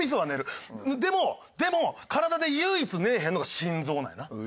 でも体で唯一寝えへんのが心臓なんやな。